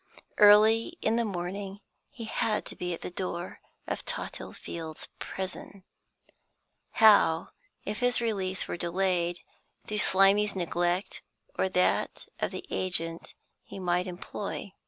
Early in the morning he had to be at the door of Tothill Fields' Prison. How if his release were delayed, through Slimy's neglect or that of the agent he might employ?